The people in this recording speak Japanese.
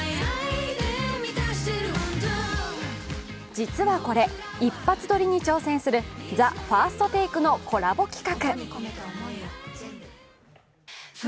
実はこれ、一発撮りに挑戦する「ＴＨＥＦＩＲＳＴＴＡＫＥ」のコラボ企画。